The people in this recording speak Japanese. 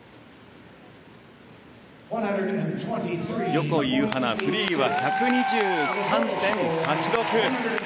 横井ゆは菜フリーは１２３．８６。